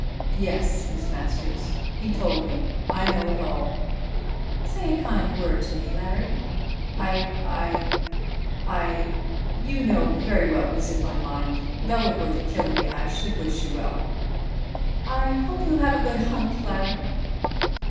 "Yes, Miss Masters. He told me, I know it all." "Say a kind word to me, Larry." "I I I You know very well what's in my mind. Though it were to kill me, I should wish you well." "I hope you'll have a good hunt, Larry."